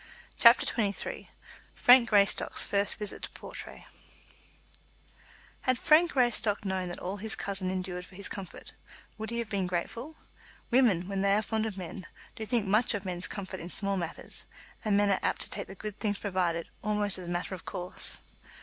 CHAPTER XXIII Frank Greystock's First Visit to Portray Had Frank Greystock known all that his cousin endured for his comfort, would he have been grateful? Women, when they are fond of men, do think much of men's comfort in small matters, and men are apt to take the good things provided almost as a matter of course.